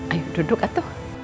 ayo duduk atuh